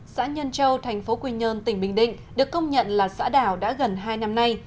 xã nhân châu thành phố quy nhơn tỉnh bình định được công nhận là xã đảo đã gần hai năm nay